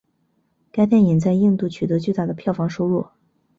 该电影在印度取得巨大的票房收入。